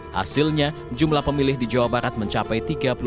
hasilnya jumlah pemilih di jawa barat mencapai tiga